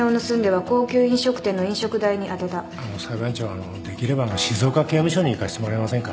あのできれば静岡刑務所に行かせてもらえませんか。